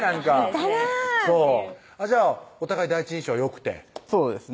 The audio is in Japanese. いたなぁっていうじゃあお互い第一印象よくてそうですね